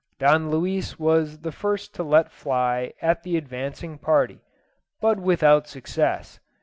Don Luis was the first to let fly at the advancing party, but without success.